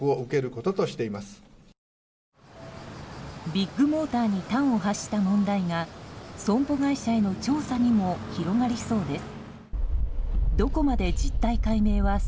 ビッグモーターに端を発した問題が損保会社への調査にも広がりそうです。